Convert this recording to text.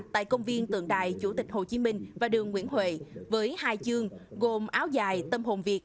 tại công viên tượng đài chủ tịch hồ chí minh